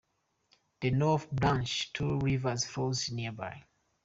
The North Branch Two Rivers flows nearby.